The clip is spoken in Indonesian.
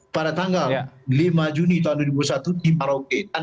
pada tanggal lima juni dua ribu dua puluh satu di maroke